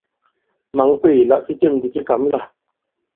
Mǎn kwéè la fi têm ndi fi kǎm lâ ?